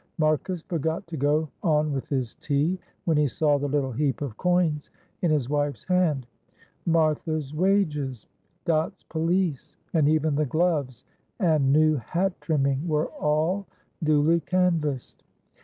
Marcus forgot to go on with his tea when he saw the little heap of coins in his wife's hand. Martha's wages, Dot's pelisse, and even the gloves and new hat trimming were all duly canvassed.